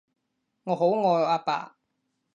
我好愛阿爸